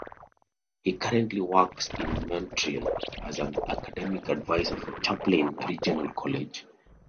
He currently works in Montreal as an academic adviser for Champlain Regional College.